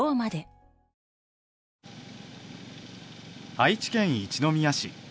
愛知県一宮市。